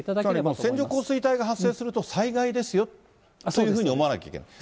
ま線状降水帯が発生すると、災害ですよというふうに思わなきゃいけない。